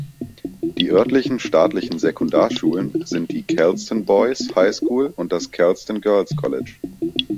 Die örtlichen staatlichen Sekundarschulen sind die Kelston Boys' High School und das Kelston Girls' College.